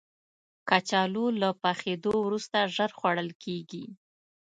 کچالو له پخېدو وروسته ژر خوړل کېږي